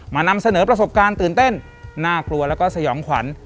นำเสนอประสบการณ์ตื่นเต้นน่ากลัวแล้วก็สยองขวัญ